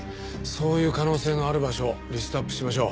そういう可能性のある場所リストアップしましょう。